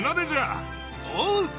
おう！